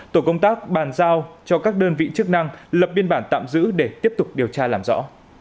tổ công tác bàn giao cho các đơn vị chức năng lập biên bản tạm giữ để tiếp tục điều tra làm rõ